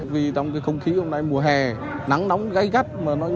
vì trong không khí hôm nay mùa hè nắng nóng gai gắt